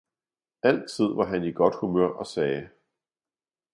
Altid var han i godt humør og sagde.